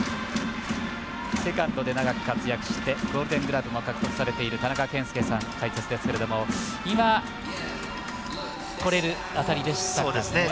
セカンドで長く活躍してゴールデングラブも獲得されている田中賢介さん、解説ですけれどとれる当たりでしたかね。